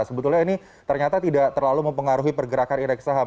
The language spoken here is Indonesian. sebetulnya ini ternyata tidak terlalu mempengaruhi pergerakan indeks saham